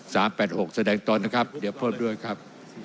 ๓๘๖แสดงตนครับเดี๋ยวเพิ่มด้วยครับ